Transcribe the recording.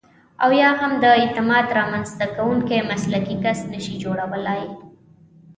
او یا هم د اعتماد رامنځته کوونکی مسلکي کس نشئ جوړولای.